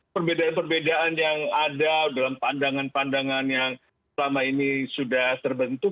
perbedaan perbedaan yang ada dalam pandangan pandangan yang selama ini sudah terbentuk